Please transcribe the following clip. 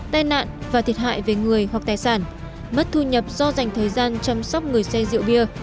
tai nạn và thiệt hại về người hoặc tài sản mất thu nhập do dành thời gian chăm sóc người xe rượu bia